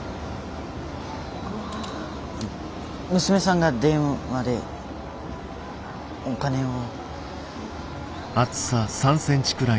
娘さんが電話でお金を。